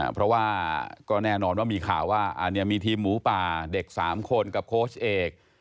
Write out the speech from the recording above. เพราะว่าก็แน่นอนว่ามีข่าวว่ามีทีมหมูป่าเด็ก๓คนกับโค้ชเอก